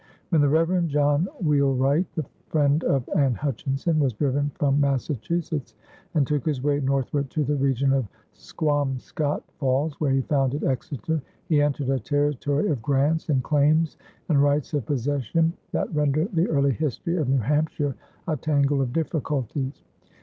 When the Reverend John Wheelwright, the friend of Anne Hutchinson, was driven from Massachusetts and took his way northward to the region of Squamscott Falls where he founded Exeter, he entered a territory of grants and claims and rights of possession that render the early history of New Hampshire a tangle of difficulties.